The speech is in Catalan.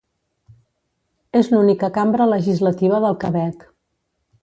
És l'única cambra legislativa del Quebec.